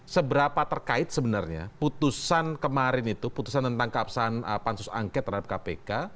seberapa terkait sebenarnya putusan kemarin itu putusan tentang keabsahan pansus angket terhadap kpk